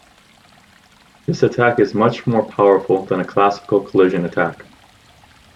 This attack is much more powerful than a classical collision attack.